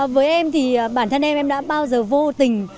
với em thì bản thân em em đã bao giờ vô tình